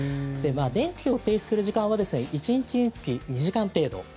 電気を停止する時間は１日につき２時間程度。